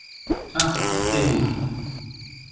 Ah ! c’est vous…